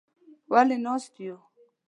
_ولې ناست يو؟